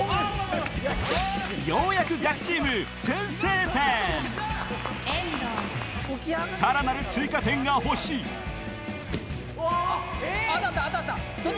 ようやくガキチーム先制点さらなる追加点が欲しい当たった当たった！